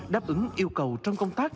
đáp ứng yêu cầu trong công tác